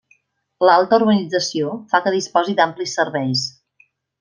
L'alta urbanització fa que disposi d'amplis serveis.